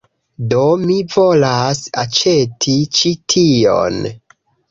Do mi volas aĉeti ĉi tion